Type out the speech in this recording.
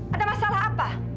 ada masalah apa